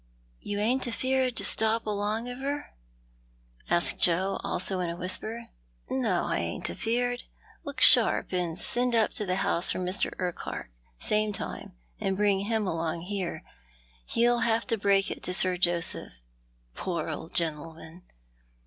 " Yoix ain't afeard to stop along of her ?" asked Joe, also in a whisper. " No, I ain't afeard. Look sharp, and send np to the house for Mr. Urquhart, same time, and bring him along here. He'll have to break it to Sir Joseph ; poor old gentleman